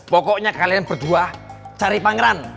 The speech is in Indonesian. pokoknya kalian berdua cari pangeran